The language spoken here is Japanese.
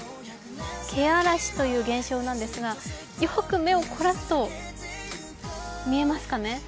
けあらしという減少なんですが、よーく目をこらすと見えますかね。